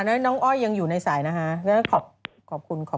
อเรนนี่อ้อยยังอยู่ในสายนะฮะขอบคุณ